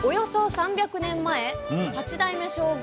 ３００年前八代目将軍